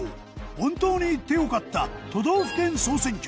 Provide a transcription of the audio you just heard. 本当に行って良かった都道府県総選挙。